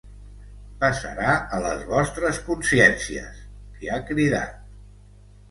Pesarà a les vostres consciències, li ha cridat.